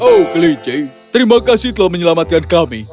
oh kelincing terima kasih telah menyelamatkan kami